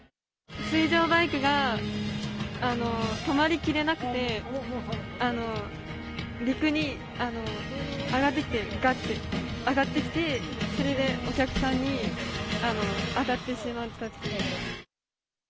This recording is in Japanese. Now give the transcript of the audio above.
水上バイクが、止まり切れなくて、陸に上がってきて、がって上がってきて、それでお客さんに当たってしまったっていう。